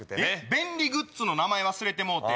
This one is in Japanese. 便利グッズの名前忘れてもうて。